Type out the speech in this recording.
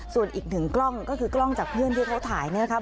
ส่วนอีกหนึ่งกล้องก็คือกล้องจากเพื่อนที่เขาถ่ายนะครับ